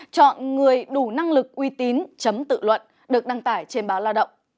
chọn người đủ năng lực uy tín chấm tự luận được đăng tải trên báo lao động